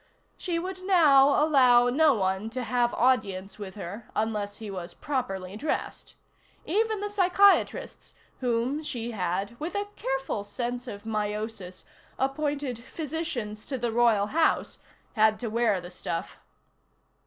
She would now allow no one to have audience with her unless he was properly dressed. Even the psychiatrists whom she had, with a careful sense of meiosis, appointed Physicians to the Royal House had to wear the stuff.